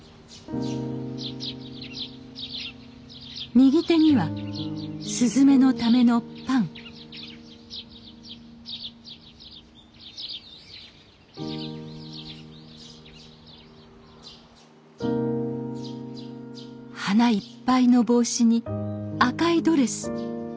右手にはすずめのためのパン花いっぱいの帽子に赤いドレス。